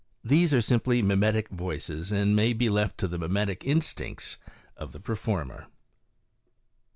These are simply mimetic voices, and may be left to the mimetic instincts of the performer.